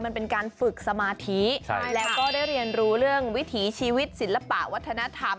มันเป็นการฝึกสมาธิแล้วก็ได้เรียนรู้เรื่องวิถีชีวิตศิลปะวัฒนธรรม